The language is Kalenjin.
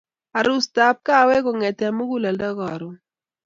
Arustab kahawek kongeti muguleldo karon